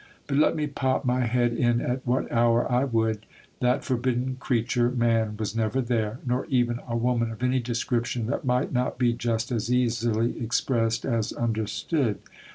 But let me pop my head in at what hour I would, that forbidden creature man was never there, nor even a woman of any description, that might not be just as easily expressed as under stood.